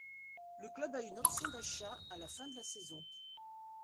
Le club a une option d'achat à la fin de la saison.